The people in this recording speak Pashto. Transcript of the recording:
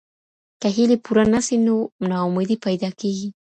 که هیلې پوره نه سي نو نااميدي پیدا کیږي.